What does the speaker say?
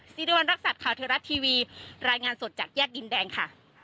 สิริวัณรักษัตริย์ข่าวเทวรัฐทีวีรายงานสดจากแยกดินแดงค่ะ